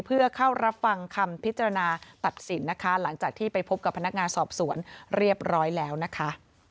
เพื่อเข้ารับฟังคำพิจารณาตัดสินนะคะหลังจากที่ไปพบกับพนักงานสอบสวนเรียบร้อยแล้วนะคะ